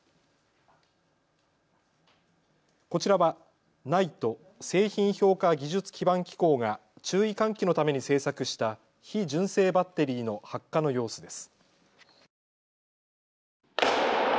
こちらはＮＩＴＥ・製品評価技術基盤機構が注意喚起のために制作した非純正バッテリーの発火の様子です。